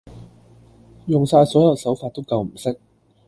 用晒所有手法都救唔熄